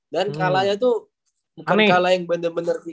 dan kalahnya tuh bukan kalah yang bener bener